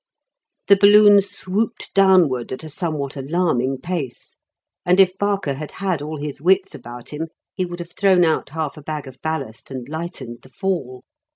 The balloon swooped downward at a somewhat alarming pace, and if Barker had had all his wits about him he would have thrown out half a bag of ballast and lightened the fall.